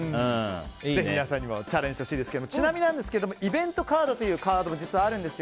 ぜひ皆さんにもチャレンジしてほしいですけどちなみにイベントカードというカードも実はあるんです。